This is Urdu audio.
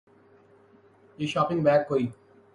یہ شاپنگ بیگ کوئی